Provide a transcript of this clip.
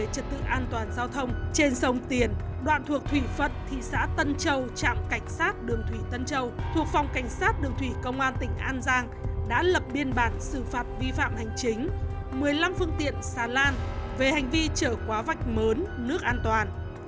sau hai tháng thực hiện cao điểm lực lượng cảnh sát đường thủy công an tỉnh an giang đã lập biên bản xử phạt hơn một bảy trăm linh trường hợp trở quá vạch giấu mớ nước an toàn